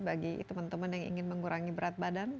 bagi teman teman yang ingin mengurangi berat badan